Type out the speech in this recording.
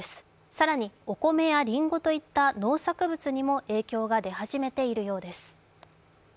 更にお米やりんごと言った農作物にも影響が出始めているようです。